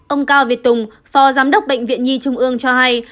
ông cao việt tùng phó giám đốc bệnh viện nhi trung ương cho hay